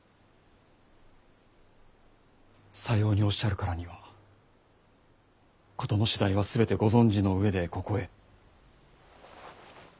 さようにおっしゃるからには事の次第は全てご存じの上でここへ。